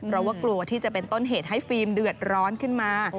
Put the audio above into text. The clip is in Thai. เพราะว่ากลัวที่จะเป็นต้นเหตุให้ฟิล์มเดือดร้อนขึ้นมา